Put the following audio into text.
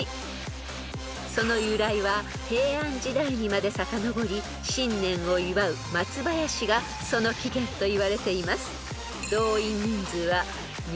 ［その由来は平安時代にまでさかのぼり新年を祝う松ばやしがその起源といわれています］